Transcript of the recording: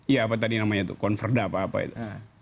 iya apa tadi namanya itu conferda apa apa itu